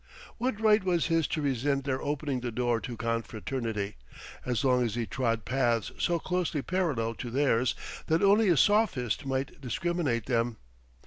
What right was his to resent their opening the door to confraternity, as long as he trod paths so closely parallel to theirs that only a sophist might discriminate them?